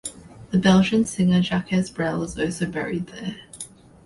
The Belgian singer Jacques Brel is also buried there.